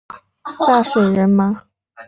大水苎麻